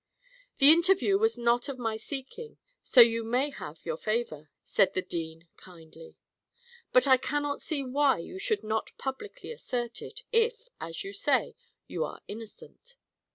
"The interview was not of my seeking, so you may have your favour," said the dean, kindly. "But I cannot see why you should not publicly assert it, if, as you say, you are innocent."